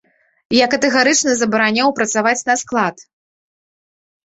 Я катэгарычна забараняў працаваць на склад!